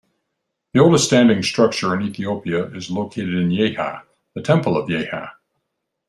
The oldest standing structure in Ethiopia is located in Yeha: the Temple of Yeha.